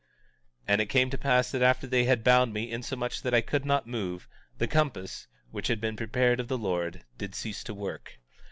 18:12 And it came to pass that after they had bound me insomuch that I could not move, the compass, which had been prepared of the Lord, did cease to work.